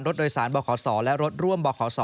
รถโดยสารบ่อข่าวสอและรถร่วมบ่อข่าวสอ